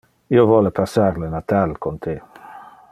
Io vole passar le natal con te.